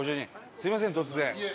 すみません、突然。